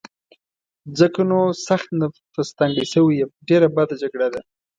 ځکه نو سخت نفس تنګی شوی یم، ډېره بده جګړه ده.